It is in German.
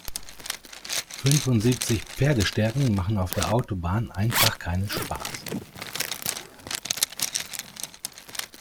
Fünfundsiebzig Pferdestärken machen auf der Autobahn einfach keinen Spaß.